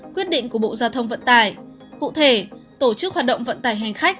quyết định của bộ giao thông vận tải cụ thể tổ chức hoạt động vận tải hành khách